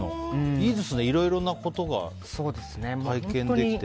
いいですね、いろいろなことが体験できて。